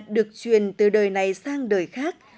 được truyền từ đời này sang đời khác